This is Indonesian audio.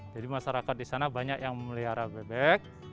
jadi masyarakat di sana banyak yang melihara bebek